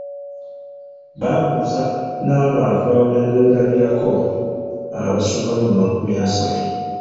Baabuuza n’abantu abeerabirako abasoba mu makumi asatu.